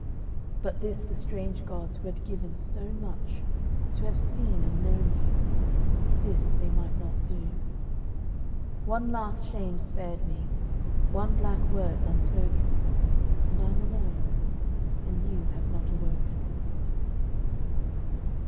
But this the strange gods, who had given so much, To have seen and known you, this they might not do. One last shame's spared me, one black word's unspoken; And I'm alone; and you have not awoken.